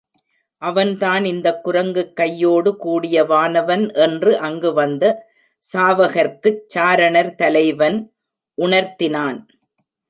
அவன்தான் இந்தக் குரங்குக் கையோடு கூடிய வானவன் என்று அங்கு வந்த சாவகர்க்குச் சாரணர் தலைவன் உணர்த்தினான்.